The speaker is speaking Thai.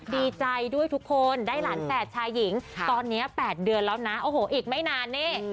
ดีใจด้วยทุกคนได้หลานแฝดชายหญิงตอนนี้๘เดือนแล้วนะโอ้โหอีกไม่นานนี่